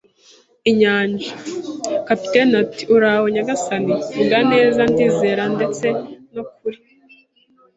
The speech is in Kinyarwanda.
inyanja? ” Kapiteni ati: "Uraho, nyagasani, vuga neza, ndizera, ndetse no kuri